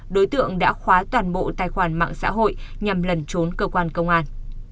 đối tượng đã khóa toàn bộ tài khoản mạng xã hội nhằm lẩn trốn cơ quan công an